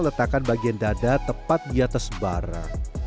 letakkan bagian dada tepat di atas bara